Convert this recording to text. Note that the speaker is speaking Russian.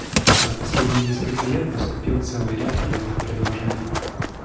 За последние несколько лет поступил целый ряд полезных предложений.